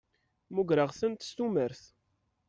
Mmugreɣ-tent s tumert.